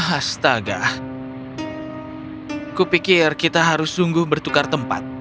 astaga kupikir kita harus sungguh bertukar tempat